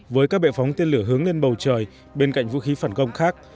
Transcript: với các bệ phóng tên lửa hướng lên bầu trời bên cạnh vũ khí phản công khác